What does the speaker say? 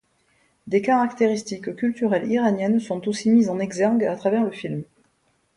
Des caractéristiques culturelles iraniennes sont aussi mises en exergue à travers le film.